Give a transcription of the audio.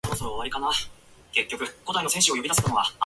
Bus routes were diverted.